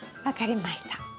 分かりました。